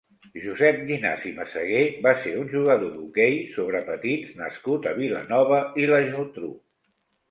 Josep Llinàs i Messeguer va ser un jugador d'hoquei sobre patins nascut a Vilanova i la Geltrú.